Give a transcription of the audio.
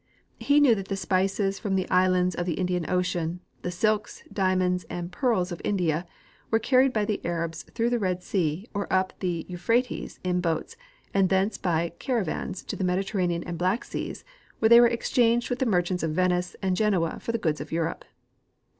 He knew that the spices from the islands of the Indian ocean, the silks, diamonds and pearls of India, av ere car ried by the Arabs through the Red sea or up the Euphrates in boats and thence by caravans to the Mediterranean and Black seas, Avhere tliey Avere exchanged Avith the merchants of Venice and Genoa for the goods of Europe.